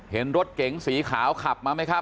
เห็นรถเก๋งสีขาวขับมาไหมครับ